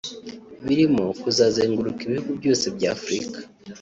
birimo kuzazenguraka ibihugu byose bya Afurika